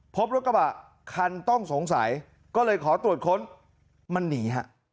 พบรถกระบะคันต้องสงสัยก็เลยขอตรวจค้นมันหนีฮะ